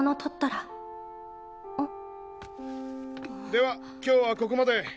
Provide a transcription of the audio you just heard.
では今日はここまで。